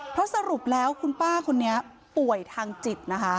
เพราะสรุปแล้วคุณป้าคนนี้ป่วยทางจิตนะคะ